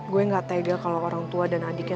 gue gak tegel kalo orang tua dan adiknya